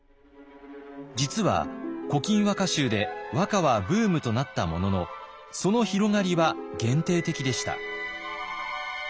実は「古今和歌集」で和歌はブームとなったもののその広がりは限定的でした。